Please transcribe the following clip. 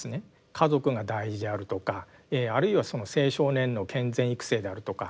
家族が大事であるとかあるいは青少年の健全育成であるとか